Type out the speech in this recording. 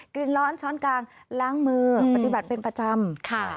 กินร้อนช้อนกลางล้างมือปฏิบัติเป็นประจำค่ะ